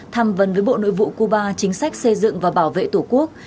tham vấn với bộ nội vụ cuba chính sách xây dựng và bảo vệ tổ quốc